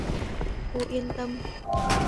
cô yên tâm